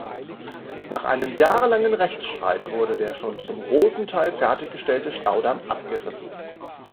Nach einem jahrelangen Rechtsstreit wurde der schon zum großen Teil fertiggestellte Staudamm abgerissen.